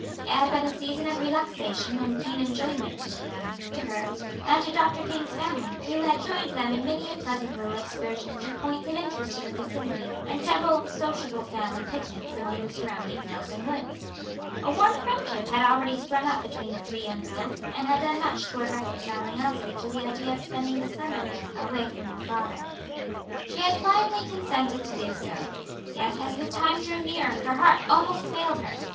It had been a season of relaxation and keen enjoyment to them, to her, and to Dr. King's family, who had joined them in many a pleasant little excursion to points of interest in the vicinity, and several sociable family picnics among the surrounding hills and woods. A warm friendship had already sprung up between the three young girls, and had done much toward reconciling Elsie to the idea of spending the summer there away from her father. She had finally consented to do so, yet as the time drew near her heart almost failed her.